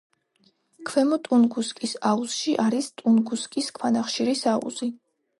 ქვემო ტუნგუსკის აუზში არის ტუნგუსკის ქვანახშირის აუზი.